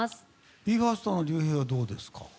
ＢＥ：ＦＩＲＳＴのＲＹＵＨＥＩはどうですか？